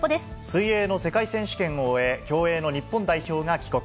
水泳の世界選手権を終え、競泳の日本代表が帰国。